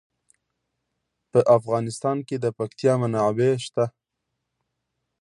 په افغانستان کې د پکتیکا منابع شته.